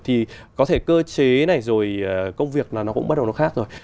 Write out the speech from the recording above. thì có thể cơ chế này rồi công việc là nó cũng bắt đầu nó khác rồi